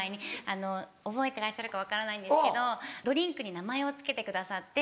覚えてらっしゃるか分からないんですけどドリンクに名前を付けてくださって。